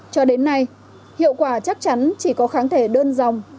cho đến nay hiệu quả chắc chắn chỉ có kháng thể đơn dòng